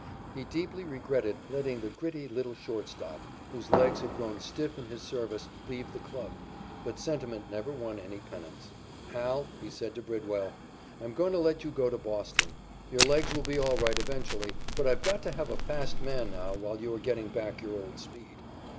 He deeply regretted letting the gritty, little shortstop, whose legs had grown stiff in his service, leave the club, but sentiment never won any pennants. "Al," he said to Bridwell, "I'm going to let you go to Boston. Your legs will be all right eventually, but I've got to have a fast man now while you are getting back your old speed."